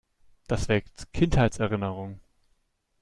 Das weckt Kindheitserinnerungen.